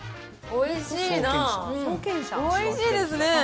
おいしいですね。